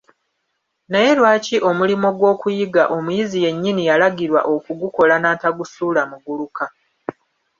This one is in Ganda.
Naye lwaki omulimo gw'okuyiga omuyizi yennyini yalagirwa okugukola n'atagusuula muguluka?